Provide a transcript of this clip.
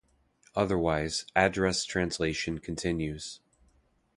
Otherwise, address translation continues.